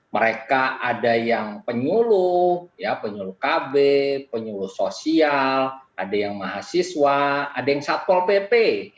mereka ada yang penyuluh penyuluh kb penyuluh sosial ada yang mahasiswa ada yang satpol pp